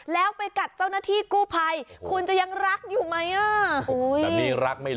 แล้วไปกัดเจ้านาธิกู้ไพคุณจะยังรักอยู่ไหมอะ